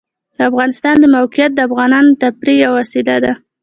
د افغانستان د موقعیت د افغانانو د تفریح یوه وسیله ده.